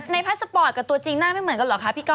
พาสปอร์ตกับตัวจริงหน้าไม่เหมือนกันเหรอคะพี่ก้อ